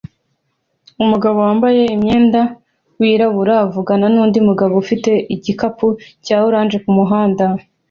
Umugabo wambaye umwenda wirabura avugana nundi mugabo ufite igikapu cya orange kumuhanda